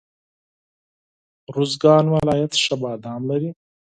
روزګان ولایت ښه بادام لري.